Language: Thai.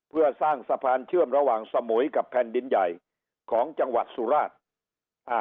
เพื่อสร้างสะพานเชื่อมระหว่างสมุยกับแผ่นดินใหญ่ของจังหวัดสุราชอ่า